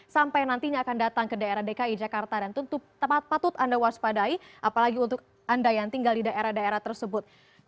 sampai nantinya akan datang ke daerah dki jakarta dan tentu patut anda waspadai apalagi untuk anda yang tinggal di daerah daerah tersebut